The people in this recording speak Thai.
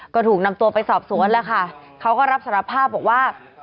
ก็ถูกนำตัวไปสอบสวนแล้วค่ะเขาก็รับสารภาพบอกว่า